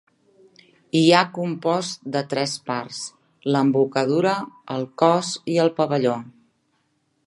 Hi ha compost de tres parts: l'embocadura, el cos i el pavelló.